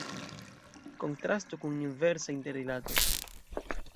Kontrasto kun inversa interrilato.